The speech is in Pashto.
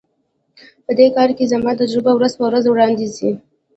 په دې کار کې زما تجربه ورځ په ورځ وړاندي ځي.